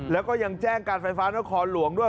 แล้วก็ยังแจ้งการไฟฟ้านครหลวงด้วย